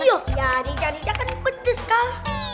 ya jadi jadi dia kan pedes kak